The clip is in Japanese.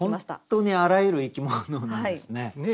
本当にあらゆる生き物なんですね。